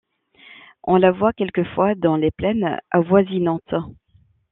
On la voit quelquefois dans les plaines avoisinantes.